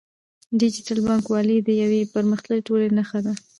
ډیجیټل بانکوالي د یوې پرمختللې ټولنې نښه ده.